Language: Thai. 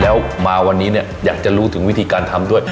แล้วมาวันนี้เนี่ยอยากจะรู้ถึงวิธีการทำด้วย